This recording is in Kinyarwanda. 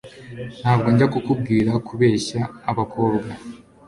ntabwo njya kukubwira kubeshya abakobwa